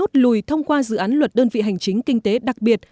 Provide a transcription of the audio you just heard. quốc hội bấm nút lùi thông qua dự án luật đơn vị hành chính kinh tế đặc biệt